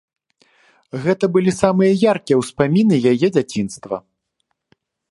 Гэта былі самыя яркія ўспаміны яе дзяцінства.